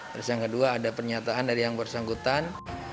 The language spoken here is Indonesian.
terus yang kedua ada pernyataan dari yang bersangkutan